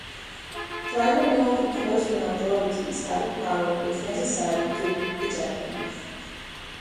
Tribal law enforcement authorities have the power if necessary, to eject them.